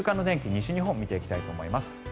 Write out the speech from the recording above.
西日本見ていきたいと思います。